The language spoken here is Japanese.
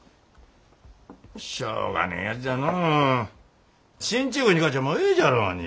しょうがねえやつじゃのう進駐軍に勝ちゃあもうええじゃろうに。